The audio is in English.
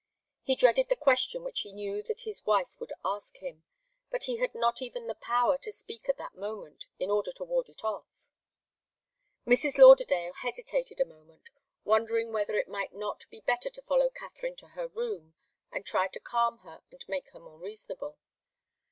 He dreaded the question which he knew that his wife would ask him, but he had not even the power to speak at that moment, in order to ward it off. Mrs. Lauderdale hesitated a moment, wondering whether it might not be better to follow Katharine to her room and try to calm her and make her more reasonable.